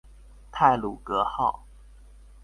太魯閣號